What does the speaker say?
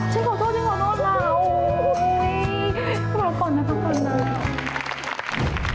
ฉันขอโทษฉันขอโทษนะ